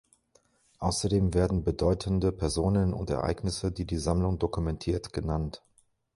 Außerdem werden bedeutende Personen und Ereignisse, die die Sammlung dokumentiert, genannt.